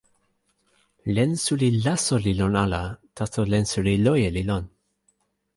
len suli laso li lon ala, taso len suli loje li lon.